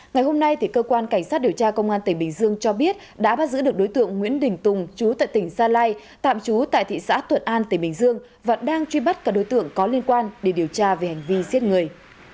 ngày hôm nay cơ quan cảnh sát điều tra công an tỉnh bình dương cho biết đã bắt giữ được đối tượng nguyễn đình tùng chú tại tỉnh gia lai tạm trú tại thị xã thuận an tỉnh bình dương và đang truy bắt các đối tượng có liên quan để điều tra về hành vi giết người